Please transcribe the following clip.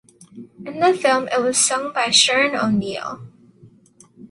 In the film it was sung by Sharon O'Neill.